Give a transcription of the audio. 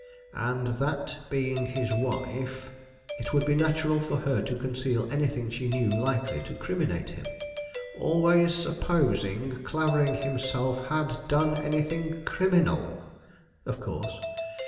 "And that, being his wife " "It would be natural for her to conceal anything she knew likely to criminate him." "Always supposing Clavering himself had done anything criminal!" "Of course."